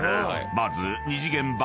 まず］